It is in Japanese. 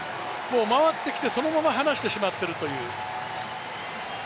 回ってきて、そのままはなしてしまっているという。